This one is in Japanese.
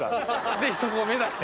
ぜひそこを目指して。